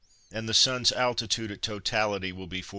and the Sun's altitude at totality will be 42°.